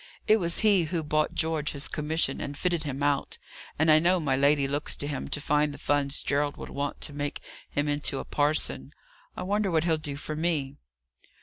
It was he who bought George his commission and fitted him out; and I know my lady looks to him to find the funds Gerald will want to make him into a parson. I wonder what he'll do for me?"